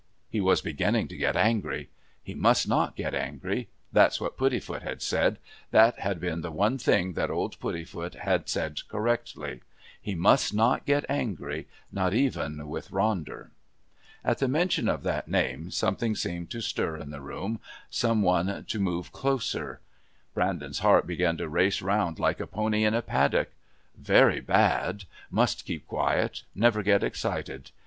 He was beginning to get angry. He must not get angry. That's what Puddifoot had said, that had been the one thing that old Puddifoot had said correctly. He must not get angry, not even with Ronder. At the mention of that name something seemed to stir in the room, some one to move closer. Brandon's heart began to race round like a pony in a paddock. Very bad. Must keep quiet. Never get excited.